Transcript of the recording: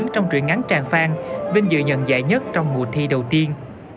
trong truyện ngắn tràn phan vinh dự nhận giải nhất trong mùa thi đầu tiên